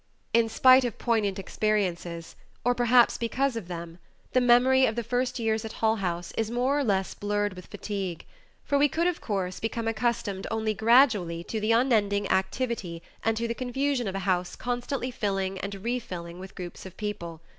In spite of poignant experiences or, perhaps, because of them, the memory of the first years at Hull House is more or less blurred with fatigue, for we could of course become accustomed only gradually to the unending activity and to the confusion of a house constantly filling and refilling with groups of people.